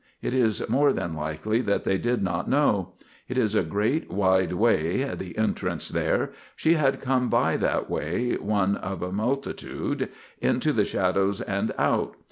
It is more than likely that they did not know. It is a great, wide way, the entrance there. She had come by that way one of a multitude; into the shadows and out.